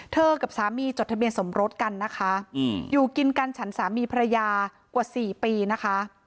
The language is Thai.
กับสามีจดทะเบียนสมรสกันนะคะอยู่กินกันฉันสามีภรรยากว่า๔ปีนะคะ